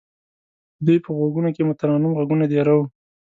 د دوی په غوږونو کې مترنم غږونه دېره وو.